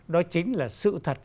đó chính là sự thật